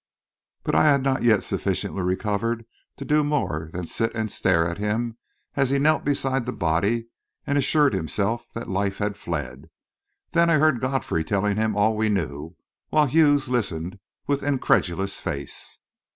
But I had not yet sufficiently recovered to do more than sit and stare at him as he knelt beside the body and assured himself that life had fled. Then I heard Godfrey telling him all we knew, while Hughes listened with incredulous face.